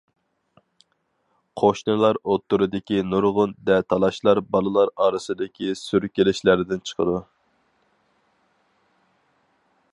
قوشنىلار ئوتتۇرىدىكى نۇرغۇن دەتالاشلار بالىلار ئارىسىدىكى سۈركىلىشلەردىن چىقىدۇ.